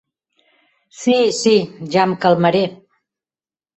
Si, si, ja em calmaré.